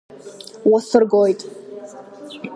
Уасыргоит!